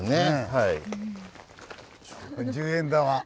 はい。